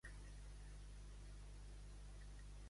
Mentir més que Helena.